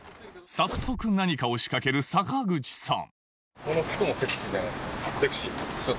早速なにかを仕掛ける坂口さん